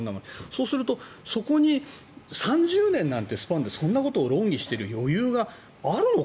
そうするとそこに３０年なんてスパンでそんなことを論議してる余裕があるのかな。